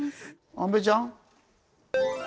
安部ちゃん？